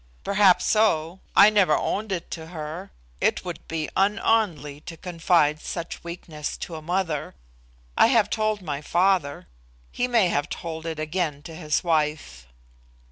"Perhaps so. I never owned it to her. It would be un Anly to confide such weakness to a mother. I have told my father; he may have told it again to his wife."